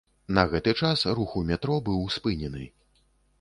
На гэты час рух у метро быў спынены.